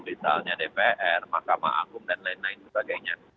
misalnya dpr mahkamah agung dan lain lain sebagainya